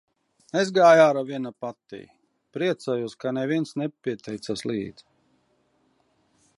Es gāju ārā viena pati. Priecājos, ka neviens nepieteicās līdzi.